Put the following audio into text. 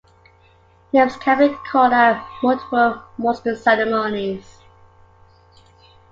Names can be called at multiple Muster ceremonies.